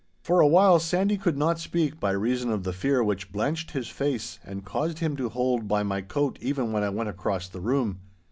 For a while Sandy could not speak by reason of the fear which blanched his face, and caused him to hold by my coat even when I went across the room.